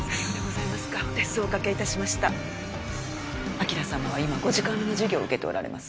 輝様は今５時間目の授業を受けておられます。